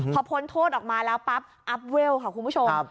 พอพ้นโทษออกมาแล้วปั๊บของคุณผู้ชมครับ